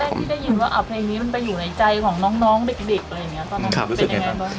ครั้งแรกที่ได้ยินว่าเพลงนี้มันไปอยู่ในใจของน้องเด็กตอนนั้นมันเป็นยังไงบ้าง